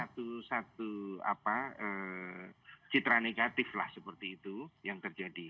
ada satu citra negatif seperti itu yang terjadi